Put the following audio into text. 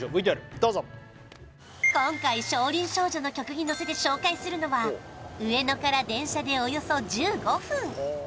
どうぞ今回「少林少女」の曲にのせて紹介するのは上野から電車でおよそ１５分